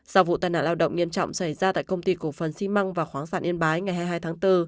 sau vụ tai nạn lao động nghiêm trọng xảy ra tại công ty cổ phần xi măng và khoáng sản yên bái ngày hai mươi hai tháng bốn